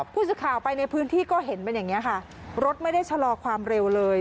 ผู้สื่อข่าวไปในพื้นที่ก็เห็นเป็นอย่างนี้ค่ะรถไม่ได้ชะลอความเร็วเลย